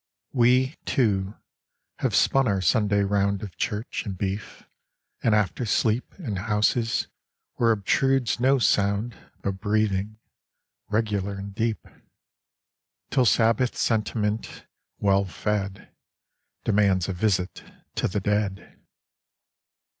We, too, have spun our Sunday round Of Church and beef and after sleep In houses where obtrudes no sound But breathing, regular and deep. Till Sabbath sentiment, well fed, Demands a visit to the Dead.